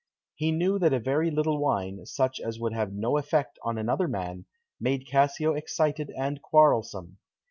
He knew that a very little wine, such as would have no effect on another man, made Cassio excited and quarrelsome.